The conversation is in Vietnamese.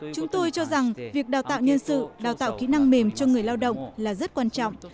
chúng tôi cho rằng việc đào tạo nhân sự đào tạo kỹ năng mềm cho người lao động là rất quan trọng